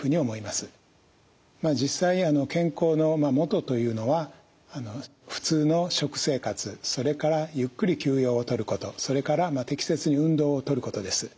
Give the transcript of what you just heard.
実際健康のもとというのは普通の食生活それからゆっくり休養をとることそれから適切に運動をとることです。